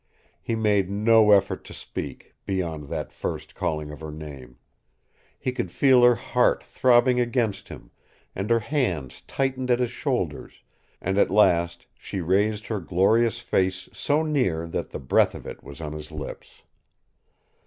He made no effort to speak, beyond that first calling of her name. He could feel her heart throbbing against him, and her hands tightened at his shoulders, and at last she raised her glorious face so near that the breath of it was on his lips.